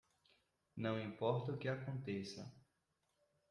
Não importa o que aconteça